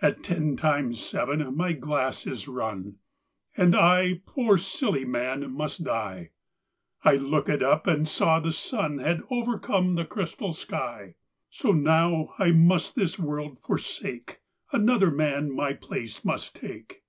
At ten times seven my glass is run, And I poor silly man must die; I lookèd up, and saw the sun Had overcome the crystal sky. So now I must this world forsake, Another man my place must take.